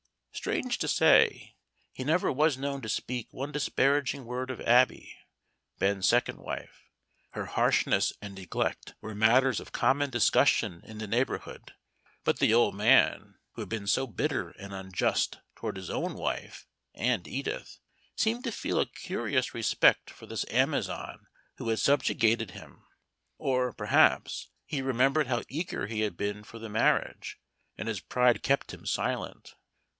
Strange to say, he never was known to speak one disparaging word of Abby, Ben's second wife. Her harshness and neglect were matters of common discussion in the neighborhood, but the old man, who had been so bitter and unjust toward his own wife and Edith, seemed to feel a curious respect for this Amazon who had subjugated him. Or, perhaps, he remembered how eager he had been for the marriage, and his pride kept him silent.